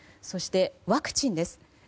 そしてワクチンです。